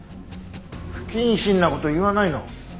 不謹慎な事言わないの。